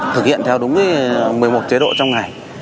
thực hiện theo đúng một mươi một chế độ trong ngày